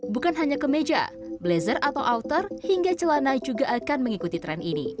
bukan hanya kemeja blazer atau outer hingga celana juga akan mengikuti tren ini